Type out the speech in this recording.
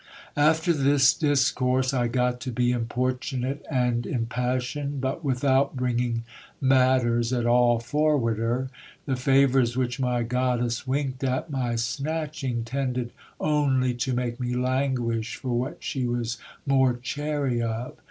After this discourse I got to be importunate and impassioned, but without bringing matters at all forwarder. The favours which my goddess winked at my snatching, tended only to make me languish for what she was more chary of.